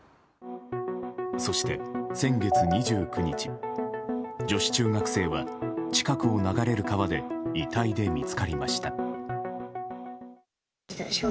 そして、先月２９日女子中学生は近くを流れる川で遺体で見つかりました。